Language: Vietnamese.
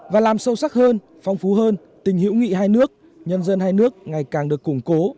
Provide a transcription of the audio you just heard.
và làm sâu sắc hơn phong phú hơn tình hữu nghị hai nước nhân dân hai nước ngày càng được củng cố